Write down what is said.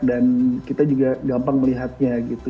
dan kita juga gampang melihatnya gitu